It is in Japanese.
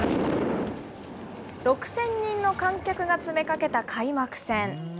６０００人の観客が詰めかけた開幕戦。